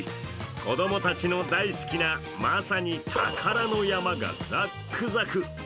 子供たちの大好きな、まさに宝の山がザックザク。